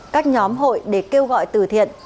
các nhóm hội để kêu gọi từ thiện